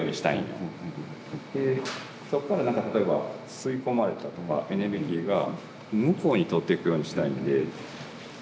でそこからなんか例えば吸い込まれたエネルギーが向こうに通っていくようにしたいんで。